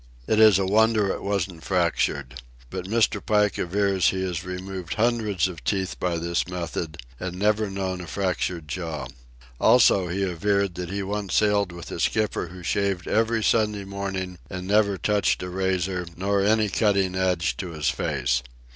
It is a wonder it wasn't fractured. But Mr. Pike avers he has removed hundreds of teeth by this method and never known a fractured jaw. Also, he avers he once sailed with a skipper who shaved every Sunday morning and never touched a razor, nor any cutting edge, to his face.